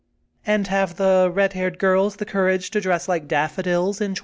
And have the red haired gixls the courage to dress like daffodils, in 2018?